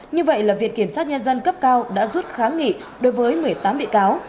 như vậy là viện kiểm sát nhân dân cấp cao đã rút kháng nghị đối với một mươi tám bị cáo